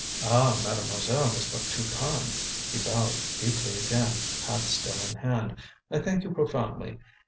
"Ah, mademoiselle is but too kind!" He bowed deeply again, hat still in hand. "I thank you profoundly.